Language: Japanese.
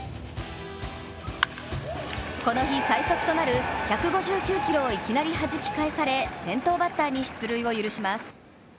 この日最速となる１５９キロをいきなりはじき返され、先頭バッターに出塁を許します。